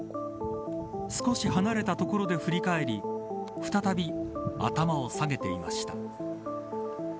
少し離れた所で振り返り再び頭を下げていました。